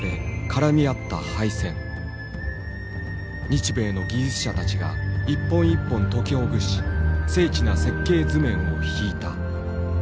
日米の技術者たちが一本一本解きほぐし精緻な設計図面を引いた。